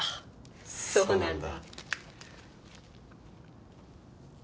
そうなんだ。